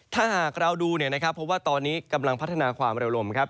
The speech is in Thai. ถ้าหากเราดูเนี่ยนะครับเพราะว่าตอนนี้กำลังพัฒนาความเร็วลมครับ